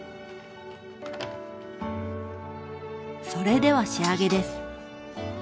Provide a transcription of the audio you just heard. それでは仕上げです。